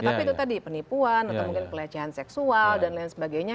tapi itu tadi penipuan atau mungkin pelecehan seksual dan lain sebagainya